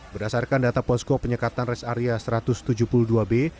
berdasarkan data posko penyekatan res area satu ratus tujuh puluh dua b